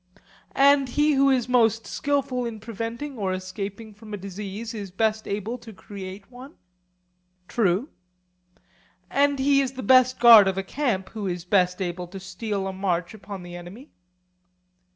And he who is most skilful in preventing or escaping from a disease is best able to create one? True. And he is the best guard of a camp who is best able to steal a march upon the enemy?